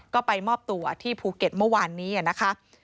ก็ไปมอบตัวที่ภูเก็ตเมื่อวานนี้นะคะ